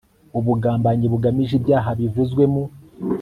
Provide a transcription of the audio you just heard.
Ubugambanyi bugamije ibyaha bivuzwe mu